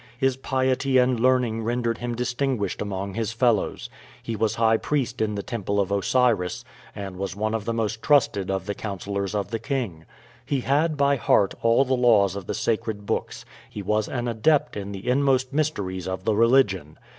His piety and learning rendered him distinguished among his fellows. He was high priest in the temple of Osiris, and was one of the most trusted of the councilors of the king. He had by heart all the laws of the sacred books; he was an adept in the inmost mysteries of the religion.